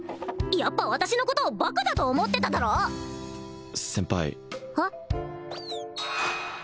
やっぱ私のことをバカだと思ってただろ先輩えっ？